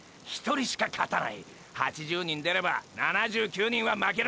８０人出れば７９人は負ける！！